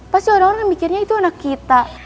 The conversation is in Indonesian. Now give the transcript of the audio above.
pasti orang orang yang mikirnya itu anak kita